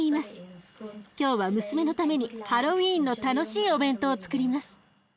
今日は娘のためにハロウィーンの楽しいお弁当をつくります。